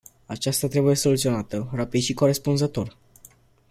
Aceasta trebuie soluționată rapid și corespunzător.